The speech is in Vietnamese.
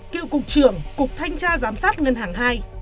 cựu cục trưởng cục thanh tra giám sát ngân hàng hai